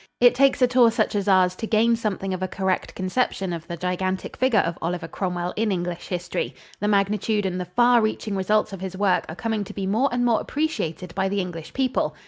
It takes a tour such as ours to gain something of a correct conception of the gigantic figure of Oliver Cromwell in English history. The magnitude and the far reaching results of his work are coming to be more and more appreciated by the English people.